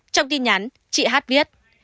trong tin nhắn chị hát viết